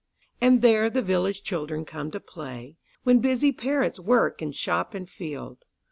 And there the village children come to play, When busy parents work in shop and field.